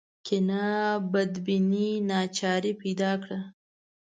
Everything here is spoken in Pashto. کینه بدبیني ناچاري پیدا کړه